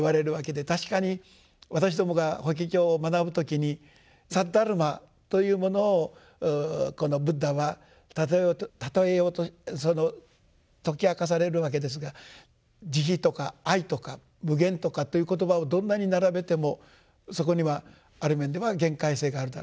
確かに私どもが「法華経」を学ぶ時に「サッダルマ」というものをブッダは譬えようとその説き明かされるわけですが「慈悲」とか「愛」とか「無限」とかという言葉をどんなに並べてもそこにはある面では限界性があるだろうと。